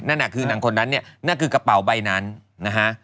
นั่นน่ะคือนางคนนั้นเนี่ยนั่นคือกระเป๋าใบนั้นนะฮะ